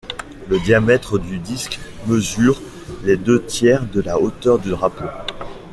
Le diamètre du disque mesure les deux-tiers de la hauteur du drapeau.